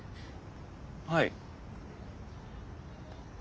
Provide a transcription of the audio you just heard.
はい。